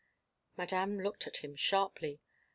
Madame looked at him sharply.